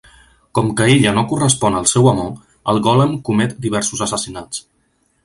Com que ella no correspon al seu amor, el gòlem comet diversos assassinats.